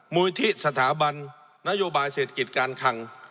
มูลิธิสถาบันนโยบายเศรษฐกิจการคัง